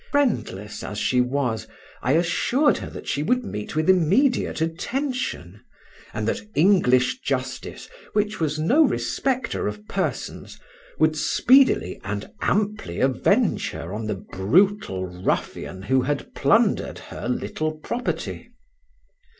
Friendless as she was, I assured her that she would meet with immediate attention, and that English justice, which was no respecter of persons, would speedily and amply avenge her on the brutal ruffian who had plundered her little property.